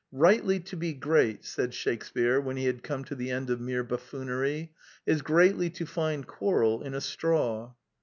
'^ Rightly to be great," said Shakespear when he had come to the end of mere buffoonery, " is greatly to find quarrel in a straw."